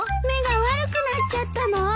目が悪くなっちゃったの？